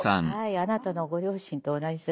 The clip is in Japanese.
あなたのご両親と同じ世代。